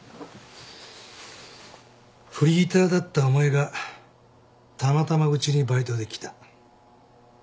フリーターだったお前がたまたまうちにバイトで来た。